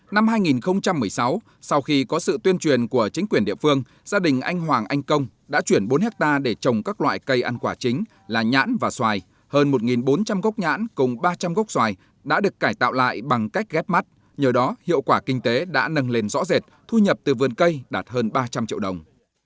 năm hai nghìn một mươi sáu sau khi có sự tuyên truyền của chính quyền địa phương gia đình anh hoàng anh công đã chuyển bốn hectare để trồng các loại cây ăn quả chính là nhãn và xoài hơn một bốn trăm linh gốc nhãn cùng ba trăm linh gốc xoài đã được cải tạo lại bằng cách ghép mắt nhờ đó hiệu quả kinh tế đã nâng lên rõ rệt thu nhập từ vườn cây đạt hơn ba trăm linh triệu đồng